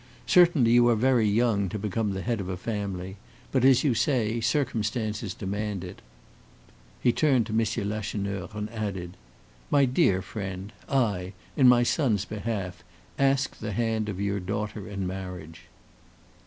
Certainly you are very young to become the head of a family; but, as you say, circumstances demand it." He turned to M. Lacheneur, and added: "My dear friend, I, in my son's behalf, ask the hand of your daughter in marriage."